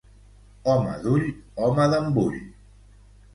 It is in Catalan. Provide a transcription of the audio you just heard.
Home d'ull, home d'embull.